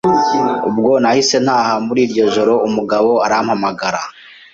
Ubwo nahise ntaha muri iryo joro umugabo arampamagara